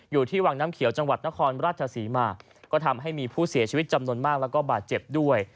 อยู่ที่วังน้ำเขียวจังหวัดนครราชศรีมาก็ทำให้มีผู้เสียชีวิตจำนวนมากแล้วก็บาดเจ็บด้วย